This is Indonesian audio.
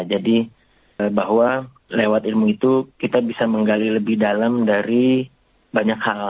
jadi bahwa lewat ilmu itu kita bisa menggali lebih dalam dari banyak hal